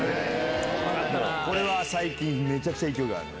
これは最近めちゃくちゃ勢いがある。